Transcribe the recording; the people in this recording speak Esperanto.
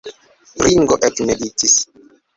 Ringo ekmeditis.